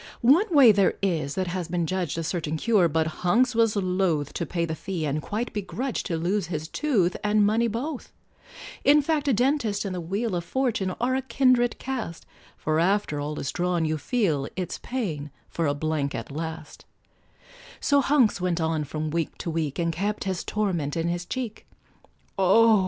One way there is, that has been judged A certain cure, but Hunks was loth To pay the fee, and quite begrudged To lose his tooth and money both; In fact, a dentist and the wheel Of Fortune are a kindred cast, For after all is drawn, you feel It's paying for a blank at last; So Hunks went on from week to week, And kept his torment in his cheek; Oh!